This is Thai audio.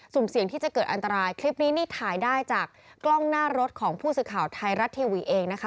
เสี่ยงที่จะเกิดอันตรายคลิปนี้นี่ถ่ายได้จากกล้องหน้ารถของผู้สื่อข่าวไทยรัฐทีวีเองนะคะ